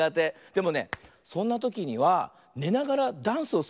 でもねそんなときにはねながらダンスをするとおきられるんだよ。